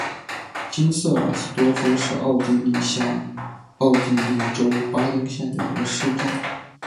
金瑟尔斯多夫是奥地利下奥地利州巴登县的一个市镇。